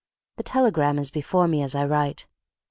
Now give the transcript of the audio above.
The telegram is before me as I write.